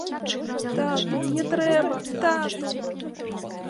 Тату, не трэба, тату.